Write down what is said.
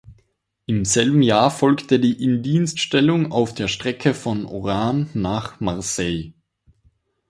Im selben Jahr folgte die Indienststellung auf der Strecke von Oran nach Marseille.